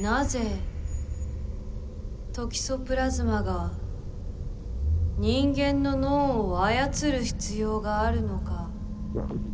なぜトキソプラズマが人間の脳を操る必要があるのか。